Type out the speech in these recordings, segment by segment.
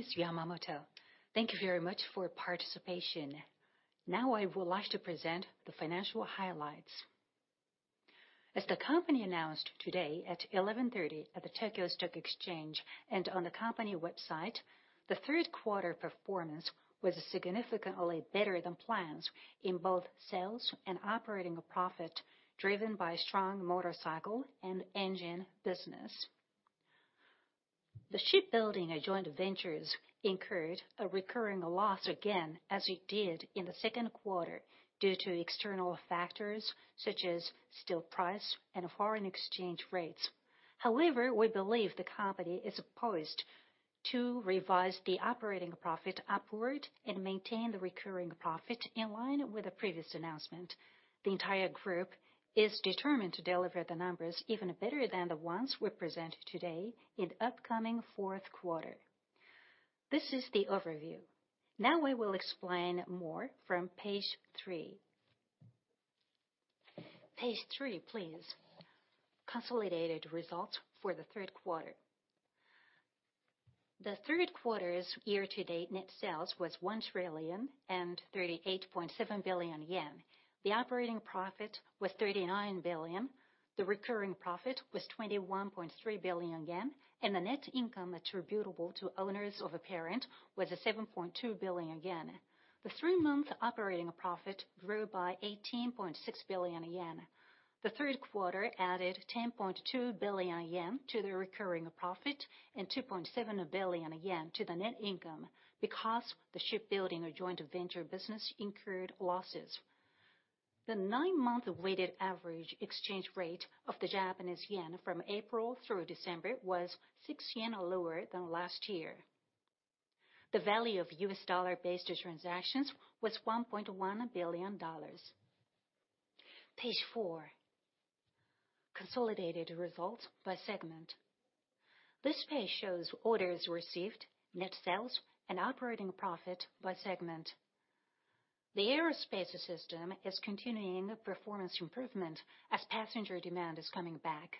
My name is Yamamoto. Thank you very much for participation. Now I would like to present the financial highlights. As the company announced today at 11:30 A.M. at the Tokyo Stock Exchange and on the company website, the Third Quarter Performance was significantly better than plans in both sales and operating profit, driven by strong motorcycle and engine business. The shipbuilding joint ventures incurred a recurring loss again as it did in the second quarter due to external factors such as steel price and foreign exchange rates. However, we believe the company is poised to revise the operating profit upward and maintain the recurring profit in line with the previous announcement. The entire group is determined to deliver the numbers even better than the ones we present today in upcoming fourth quarter. This is the overview. Now we will explain more from page three. Page three, please. Consolidated results for the third quarter. The third quarter's year-to-date net sales was 1 trillion and 38.7 billion yen. The operating profit was 39 billion. The recurring profit was 21.3 billion yen, and the net income attributable to owners of a parent was 7.2 billion yen. The three-month operating profit grew by 18.6 billion yen. The third quarter added 10.2 billion yen to the recurring profit and 2.7 billion yen to the net income because the shipbuilding or joint venture business incurred losses. The nine-month weighted average exchange rate of the Japanese yen from April through December was 6 yen lower than last year. The value of U.S. dollar-based transactions was $1.1 billion. Page four, consolidated results by segment. This page shows orders received, net sales, and operating profit by segment. The Aerospace Systems is continuing performance improvement as passenger demand is coming back.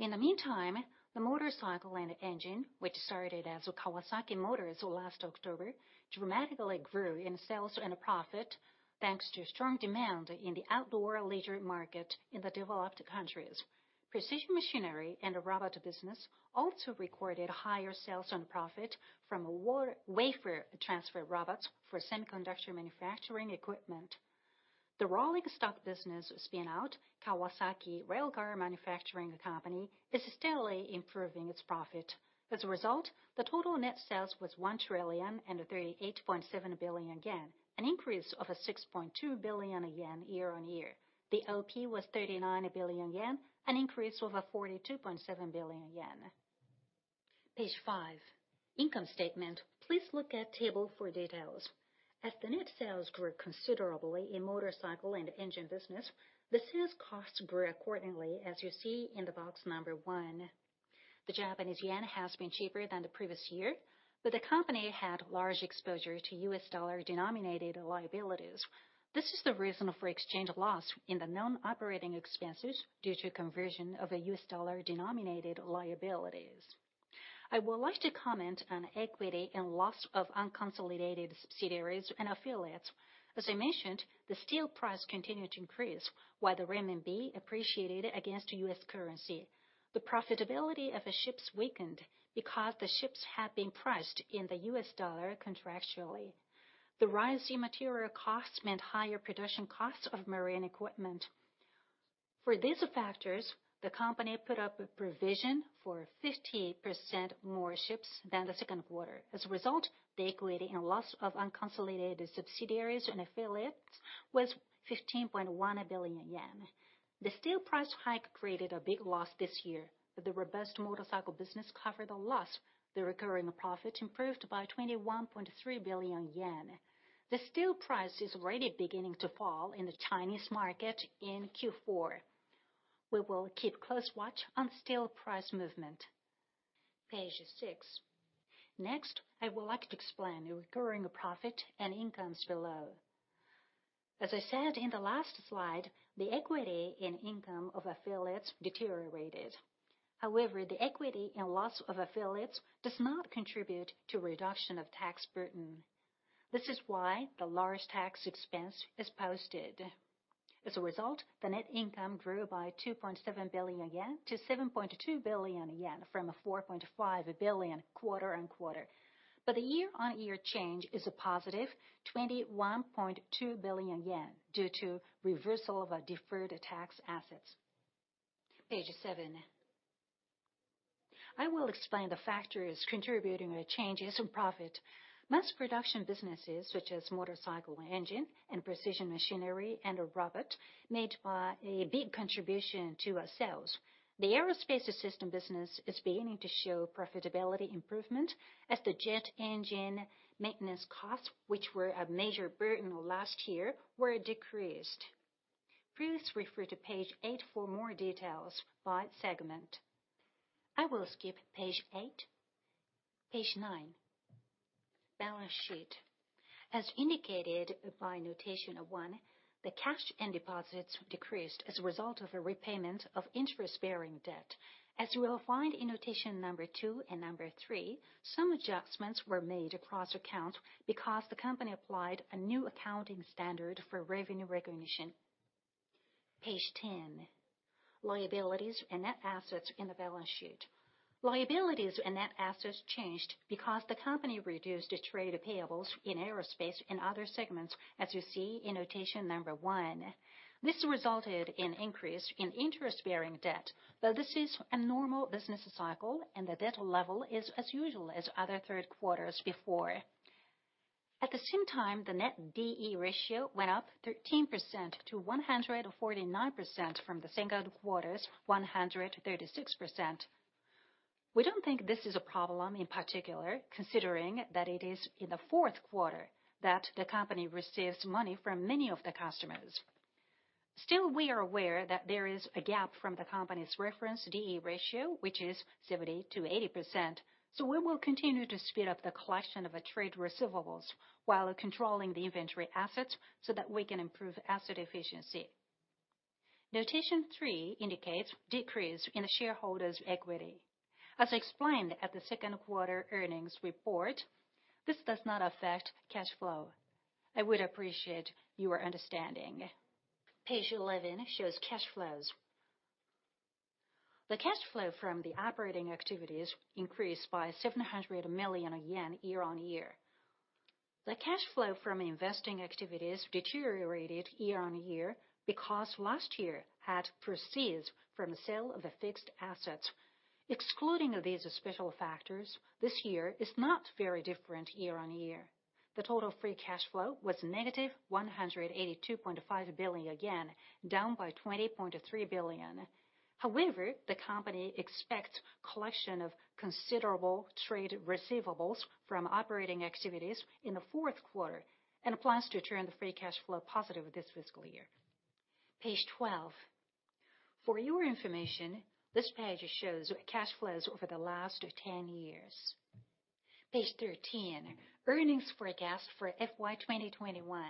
In the meantime, the motorcycle and engine, which started as Kawasaki Motors last October, dramatically grew in sales and profit thanks to strong demand in the outdoor leisure market in the developed countries. Precision Machinery and the Robot business also recorded higher sales and profit from wafer transfer robots for semiconductor manufacturing equipment. The Rolling Stock business spinout, Kawasaki Railcar Manufacturing Company, is steadily improving its profit. As a result, the total net sales was 1 trillion and 38.7 billion yen, an increase of 6.2 billion yen year-on-year. The OP was 39 billion yen, an increase of 42.7 billion yen. Page five, income statement. Please look at table for details. As the net sales grew considerably in motorcycle and engine business, the sales costs grew accordingly, as you see in the box number one. The Japanese yen has been cheaper than the previous year, but the company had large exposure to U.S. dollar-denominated liabilities. This is the reason for exchange loss in the non-operating expenses due to conversion of the U.S. dollar-denominated liabilities. I would like to comment on equity and loss of unconsolidated subsidiaries and affiliates. As I mentioned, the steel price continued to increase while the renminbi appreciated against U.S. currency. The profitability of the ships weakened because the ships had been priced in the U.S. dollar contractually. The rise in material costs meant higher production costs of marine equipment. For these factors, the company put up a provision for 50% more ships than the second quarter. As a result, the equity and loss of unconsolidated subsidiaries and affiliates was 15.1 billion yen. The steel price hike created a big loss this year, but the robust motorcycle business covered the loss. The recurring profit improved by 21.3 billion yen. The steel price is already beginning to fall in the Chinese market in Q4. We will keep close watch on steel price movement. Page six. Next, I would like to explain the recurring profit and incomes below. As I said in the last slide, the equity and income of affiliates deteriorated. However, the equity and loss of affiliates does not contribute to reduction of tax burden. This is why the large tax expense is posted. As a result, the net income grew by 2.7 billion yen to 7.2 billion yen from a 4.5 billion quarter-over-quarter. The year-on-year change is a positive 21.2 billion yen due to reversal of our deferred tax assets. Page seven. I will explain the factors contributing to changes in profit. Mass production businesses such as motorcycle engine and Precision Machinery & Robot made a big contribution to our sales. The Aerospace Systems business is beginning to show profitability improvement as the jet engine maintenance costs, which were a major burden last year, were decreased. Please refer to page eight for more details by segment. I will skip page eight. Page nine. Balance sheet. As indicated by notation one, the cash and deposits decreased as a result of a repayment of interest-bearing debt. As you will find in notation number two and number three, some adjustments were made across accounts because the company applied a new accounting standard for revenue recognition. Page ten, liabilities and net assets in the balance sheet. Liabilities and net assets changed because the company reduced its trade payables in aerospace and other segments, as you see in notation number one. This resulted in increase in interest-bearing debt, though this is a normal business cycle, and the debt level is as usual as other third quarters before. At the same time, the net D/E ratio went up 13% to 149% from the second quarter's 136%. We don't think this is a problem in particular, considering that it is in the fourth quarter that the company receives money from many of the customers. Still, we are aware that there is a gap from the company's reference D/E ratio, which is 70%-80%. We will continue to speed up the collection of trade receivables while controlling the inventory assets so that we can improve asset efficiency. Note III indicates decrease in shareholders' equity. As explained at the second-quarter earnings report, this does not affect cash flow. I would appreciate your understanding. Page 11 shows cash flows. The cash flow from the operating activities increased by 700 million yen year-on-year. The cash flow from investing activities deteriorated year-on-year because last year had proceeds from the sale of the fixed assets. Excluding these special factors, this year is not very different year-on-year. The total free cash flow was -182.5 billion yen, down by 20.3 billion. However, the company expects collection of considerable trade receivables from operating activities in the fourth quarter and plans to turn the free cash flow positive this fiscal year. Page 12. For your information, this page shows cash flows over the last 10 years. Page 13, earnings forecast for FY 2021.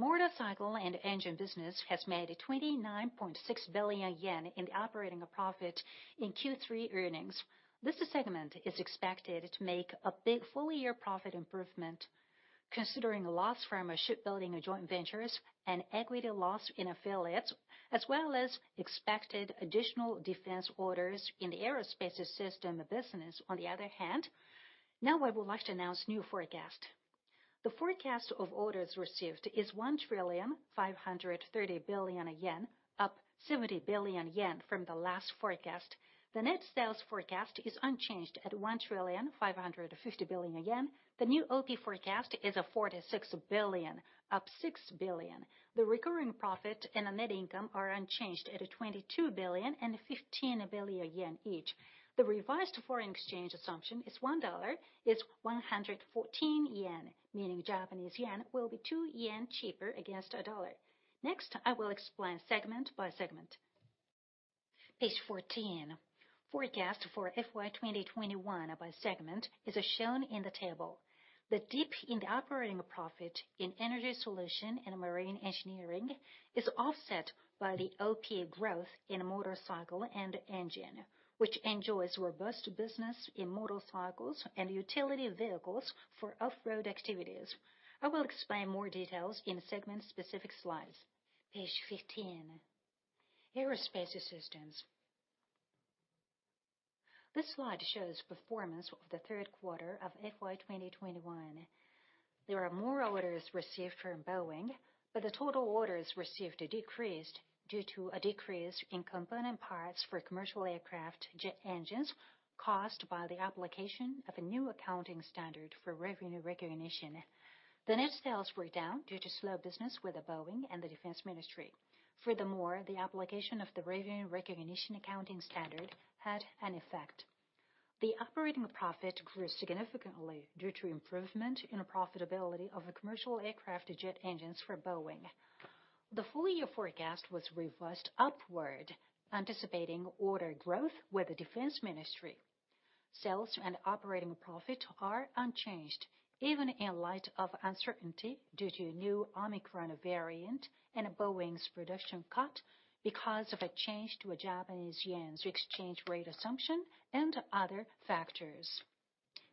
Motorcycle & Engine business has made 29.6 billion yen in operating profit in Q3 earnings. This segment is expected to make a big full year profit improvement considering loss from shipbuilding joint ventures and equity loss in affiliates, as well as expected additional defense orders in the Aerospace Systems business on the other hand. Now I would like to announce new forecast. The forecast of orders received is 1 trillion and 530 billion yen, up 70 billion yen from the last forecast. The net sales forecast is unchanged at 1.55 trillion. The new OP forecast is 46 billion, up 6 billion. The recurring profit and the net income are unchanged at 22 billion and 15 billion yen each. The revised foreign exchange assumption is $1 = 114 yen, meaning Japanese yen will be 2 yen cheaper against a dollar. Next, I will explain segment by segment. Page 14, forecast for FY 2021 by segment is shown in the table. The dip in the operating profit in Energy Solution & Marine Engineering is offset by the OP growth in Powersports & Engine, which enjoys robust business in motorcycles and utility vehicles for off-road activities. I will explain more details in segment specific slides. Page 15, Aerospace Systems. This slide shows performance of the third quarter of FY 2021. There are more orders received from Boeing, but the total orders received decreased due to a decrease in component parts for commercial aircraft jet engines caused by the application of a new accounting standard for revenue recognition. The net sales were down due to slow business with Boeing and the Ministry of Defense. Furthermore, the application of the revenue recognition accounting standard had an effect. The operating profit grew significantly due to improvement in profitability of the commercial aircraft jet engines for Boeing. The full year forecast was revised upward, anticipating order growth with the Ministry of Defense. Sales and operating profit are unchanged even in light of uncertainty due to new Omicron variant and Boeing's production cut because of a change to a Japanese yen's exchange rate assumption and other factors.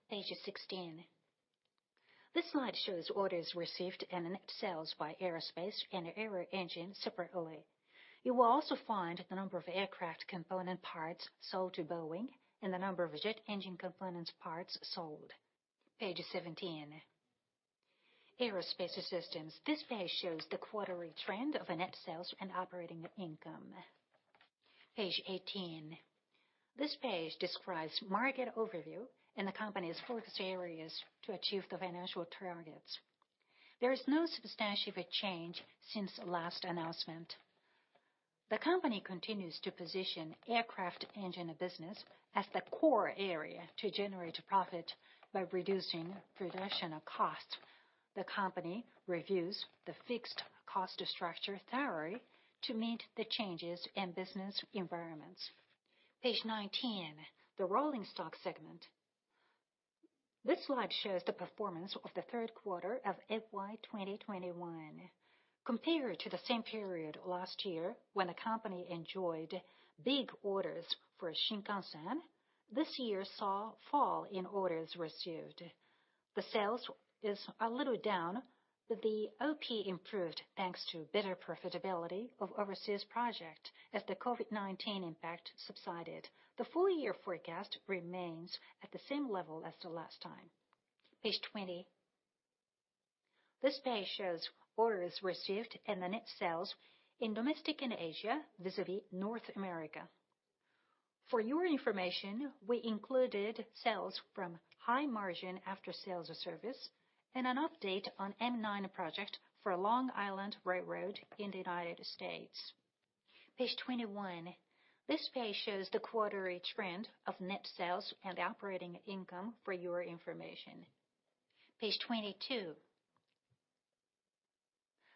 Page 16. This slide shows orders received and net sales by aerospace and aero engine separately. You will also find the number of aircraft component parts sold to Boeing and the number of jet engine components parts sold. Page 17, Aerospace Systems. This page shows the quarterly trend of net sales and operating income. Page 18. This page describes market overview and the company's focus areas to achieve the financial targets. There is no substantive change since last announcement. The company continues to position aircraft engine business as the core area to generate profit by reducing production costs. The company reviews the fixed cost structure thoroughly to meet the changes in business environments. Page 19, the Rolling Stock segment. This slide shows the performance of the third quarter of FY 2021. Compared to the same period last year when the company enjoyed big orders for Shinkansen, this year saw fall in orders received. The sales is a little down, but the OP improved thanks to better profitability of overseas project as the COVID-19 impact subsided. The full year forecast remains at the same level as the last time. Page 20. This page shows orders received and the net sales in domestic and Asia vis-à-vis North America. For your information, we included sales from high margin after sales service and an update on M9 project for Long Island Rail Road in the United States. Page 21. This page shows the quarterly trend of net sales and operating income for your information. Page 22.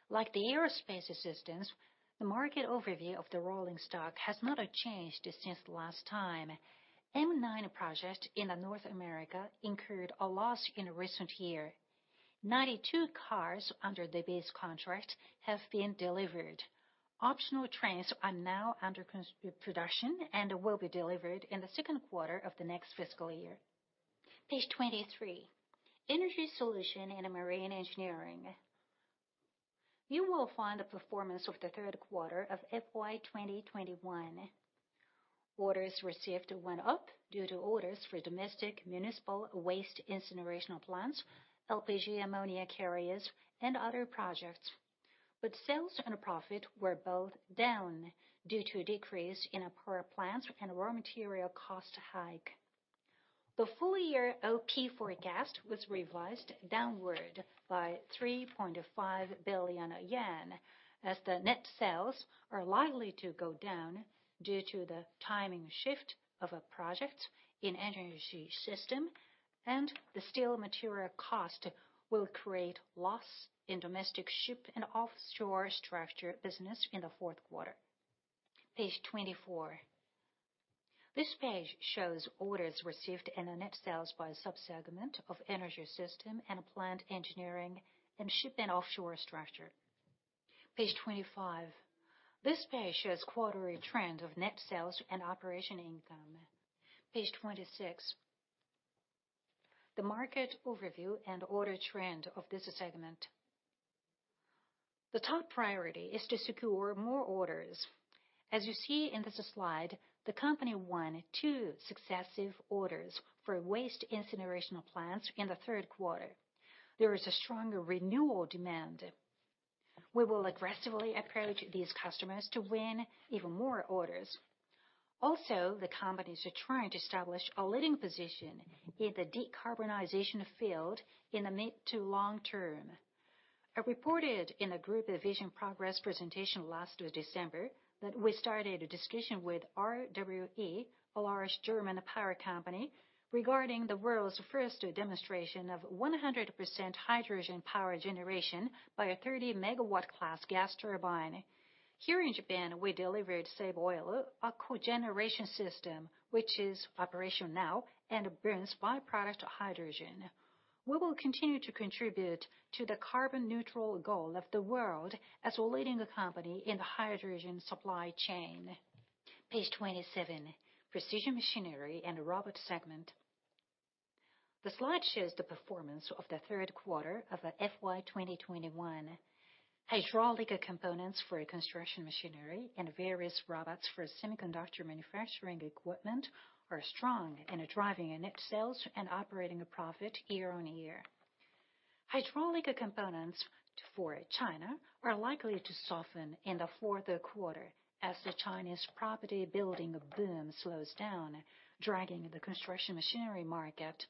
Like the Aerospace Systems, the market overview of the Rolling Stock has not changed since last time. M9 project in North America incurred a loss in recent year. 92 cars under the base contract have been delivered. M9 trains are now under construction and will be delivered in the second quarter of the next fiscal year. Page 23, Energy Solution & Marine Engineering. You will find the performance of the third quarter of FY 2021. Orders received went up due to orders for domestic municipal waste incineration plants, LPG ammonia carriers, and other projects. Sales and profit were both down due to a decrease in power plants and raw material cost hike. The full year OP forecast was revised downward by 3.5 billion yen, as the net sales are likely to go down due to the timing shift of a project in energy system, and the steel material cost will create loss in domestic ship and offshore structure business in the fourth quarter. Page 24. This page shows orders received and the net sales by sub-segment of Energy Solution & Marine Engineering. Page 25. This page shows quarterly trend of net sales and operating income. Page 26. The market overview and order trend of this segment. The top priority is to secure more orders. As you see in this slide, the company won two successive orders for waste incineration plants in the third quarter. There is a stronger renewal demand. We will aggressively approach these customers to win even more orders. Also, the company is trying to establish a leading position in the decarbonization field in the mid to long term. I reported in a group vision progress presentation last December that we started a discussion with RWE, largest German power company, regarding the world's first demonstration of 100% hydrogen power generation by a 30 MW class gas turbine. Here in Japan, we delivered Seibu Oil, a cogeneration system, which is operational now and burns byproduct hydrogen. We will continue to contribute to the carbon neutral goal of the world as a leading company in the hydrogen supply chain. Page 27, Precision Machinery & Robot segment. The slide shows the performance of the third quarter of the FY 2021. Hydraulic components for construction machinery and various robots for semiconductor manufacturing equipment are strong and are driving net sales and operating profit year-on-year. Hydraulic components for China are likely to soften in the fourth quarter as the Chinese property building boom slows down, dragging the construction machinery market.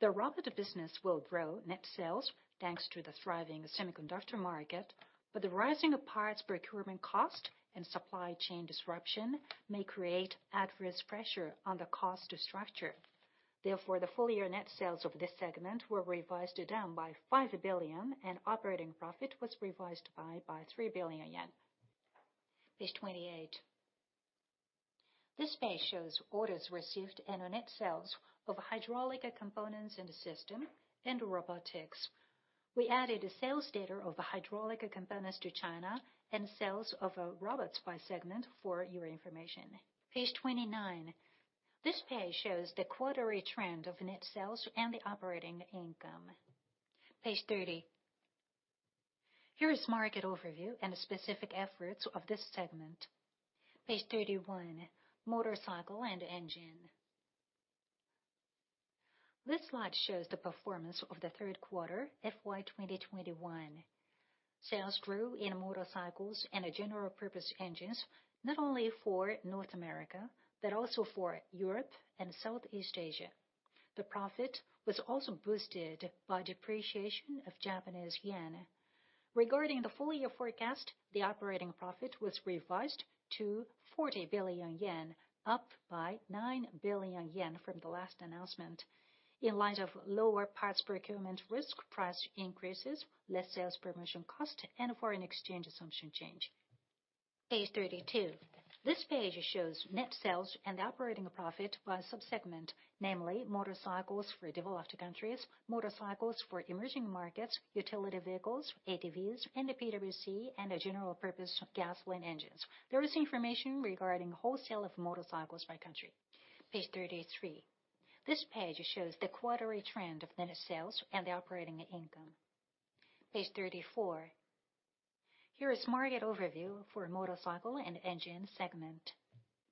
The robot business will grow net sales, thanks to the thriving semiconductor market, but the rising parts procurement cost and supply chain disruption may create adverse pressure on the cost structure. Therefore, the full year net sales of this segment were revised down by 5 billion and operating profit was revised by 3 billion yen. Page 28. This page shows orders received and net sales of hydraulic components in the system and robotics. We added a sales data of hydraulic components to China and sales of robots by segment for your information. Page 29. This page shows the quarterly trend of net sales and the operating income. Page 30. Here is market overview and specific efforts of this segment. Page 31, motorcycle and engine. This slide shows the performance of the third quarter FY 2021. Sales grew in motorcycles and general purpose engines, not only for North America, but also for Europe and Southeast Asia. The profit was also boosted by depreciation of Japanese yen. Regarding the full year forecast, the operating profit was revised to 40 billion yen, up by 9 billion yen from the last announcement in light of lower parts procurement risk, price increases, less sales promotion cost, and foreign exchange assumption change. Page 32. This page shows net sales and operating profit by sub-segment, namely motorcycles for developed countries, motorcycles for emerging markets, utility vehicles, ATVs, and PWC, and general purpose gasoline engines. There is information regarding wholesale of motorcycles by country. Page 33. This page shows the quarterly trend of net sales and operating income. Page 34. Here is market overview for Motorcycle & Engine segment.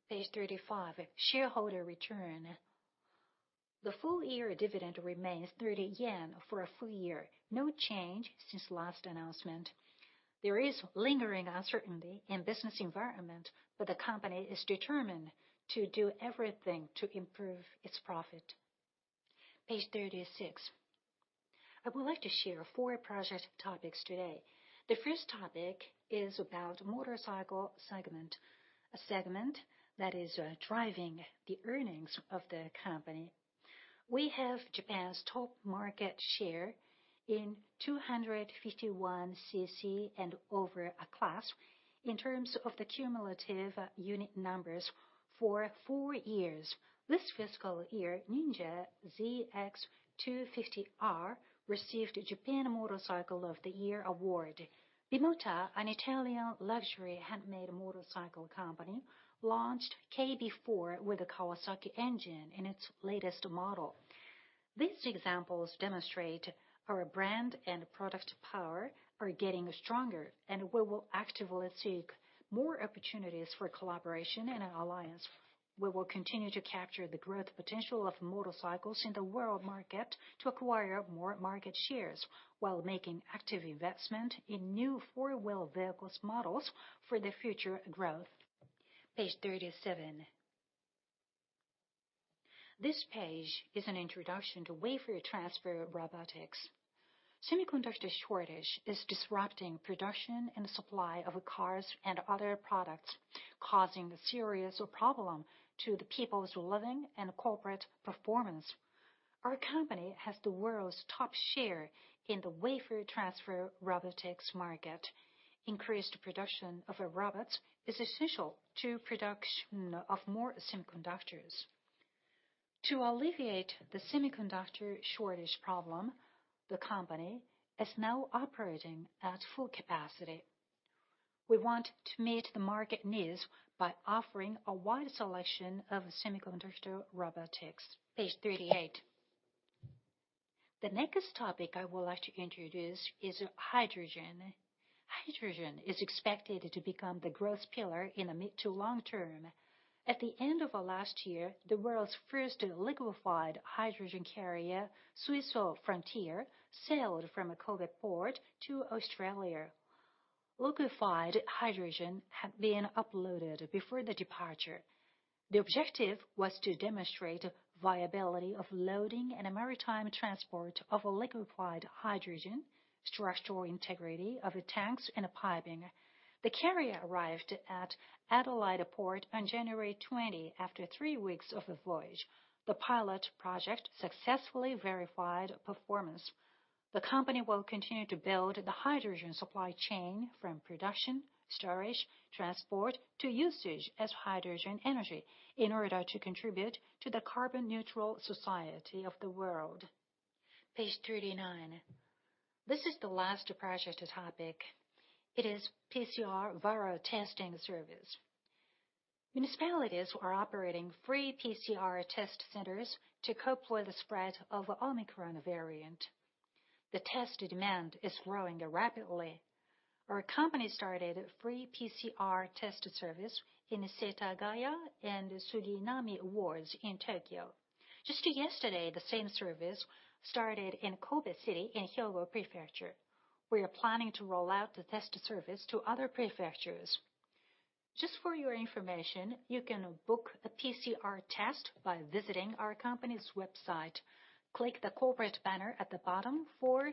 Page 35, shareholder return. The full year dividend remains 30 yen for a full year. No change since last announcement. There is lingering uncertainty in business environment, but the company is determined to do everything to improve its profit. Page 36. I would like to share four project topics today. The first topic is about motorcycle segment, a segment that is driving the earnings of the company. We have Japan's top market share in 251 cc and over a class in terms of the cumulative unit numbers for four years. This fiscal year, Ninja ZX-25R received Japan Motorcycle of the Year award. Bimota, an Italian luxury handmade motorcycle company, launched KB4 with a Kawasaki engine in its latest model. These examples demonstrate our brand and product power are getting stronger, and we will actively seek more opportunities for collaboration and alliance. We will continue to capture the growth potential of motorcycles in the world market to acquire more market shares, while making active investment in new four-wheel vehicles models for the future growth. Page 37. This page is an introduction to wafer transfer robots. Semiconductor shortage is disrupting production and supply of cars and other products, causing serious problem to the people's living and corporate performance. Our company has the world's top share in the wafer transfer robots market. Increased production of robots is essential to production of more semiconductors. To alleviate the semiconductor shortage problem, the company is now operating at full capacity. We want to meet the market needs by offering a wide selection of semiconductor robots. Page 38. The next topic I would like to introduce is hydrogen. Hydrogen is expected to become the growth pillar in the mid- to long-term. At the end of last year, the world's first liquefied hydrogen carrier, Suiso Frontier, sailed from Kobe Port to Australia. Liquefied hydrogen had been loaded before the departure. The objective was to demonstrate viability of loading and maritime transport of liquefied hydrogen, structural integrity of the tanks and piping. The carrier arrived at Adelaide port on January 20 after three weeks of the voyage. The pilot project successfully verified performance. The company will continue to build the hydrogen supply chain from production, storage, transport to usage as hydrogen energy in order to contribute to the carbon neutral society of the world. Page 39. This is the last project topic. It is PCR viral testing service. Municipalities are operating free PCR test centers to cope with the spread of Omicron variant. The test demand is growing rapidly. Our company started free PCR test service in Setagaya and Suginami wards in Tokyo. Just yesterday, the same service started in Kobe City in Hyogo Prefecture. We are planning to roll out the test service to other prefectures. Just for your information, you can book a PCR test by visiting our company's website. Click the corporate banner at the bottom for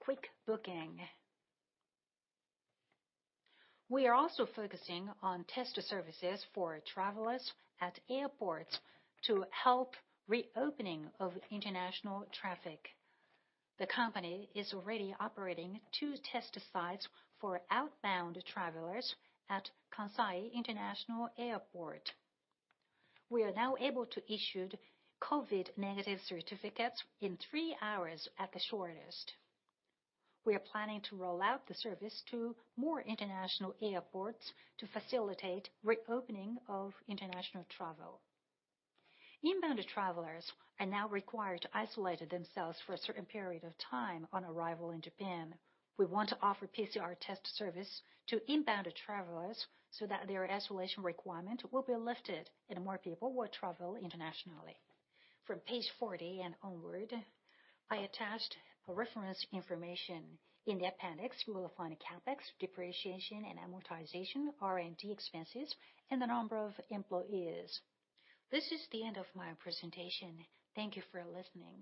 quick booking. We are also focusing on test services for travelers at airports to help reopening of international travel. The company is already operating two test sites for outbound travelers at Kansai International Airport. We are now able to issue COVID-19 negative certificates in three hours at the shortest. We are planning to roll out the service to more international airports to facilitate reopening of international travel. Inbound travelers are now required to isolate themselves for a certain period of time on arrival in Japan. We want to offer PCR test service to inbound travelers so that their isolation requirement will be lifted and more people will travel internationally. From page 40 and onward, I attached reference information. In the appendix, you will find CapEx, depreciation and amortization, R&D expenses, and the number of employees. This is the end of my presentation. Thank you for listening.